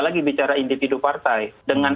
lagi bicara individu partai dengan